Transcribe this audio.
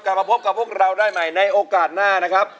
กลับมาพบกับพวกเราได้ใหม่ในโอกาสหน้านะครับ